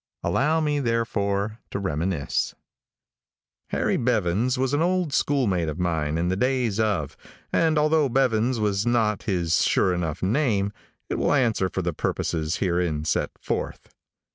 Allow me, therefore, to reminisce. Harry Bevans was an old schoolmate of mine in the days of and although Bevans was not his sure enough name, it will answer for the purposes herein set forth.